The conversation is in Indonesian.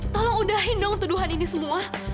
tolong udahin dong tuduhan ini semua